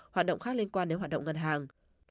hoạt động khác liên quan đến hoạt động ngân hàng